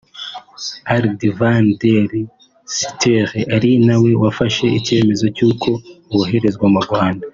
Ard van der Steur ari nawe wafashe icyemezo cy’uko boherezwa mu Rwanda